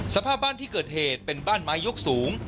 สภาพบ้านที่เกิดเหตุเป็นบ้านไม้ยกสูง